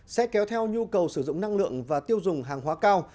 sẽ kéo theo nhu cầu sử dụng năng lượng và tiêu dùng hàng hóa cao